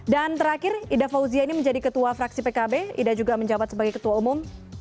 dan terakhir ida fauzia ini menjadi ketua fraksi pkb ida juga menjabat sebagai ketua umum